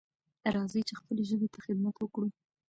راځئ چې خپلې ژبې ته خدمت وکړو.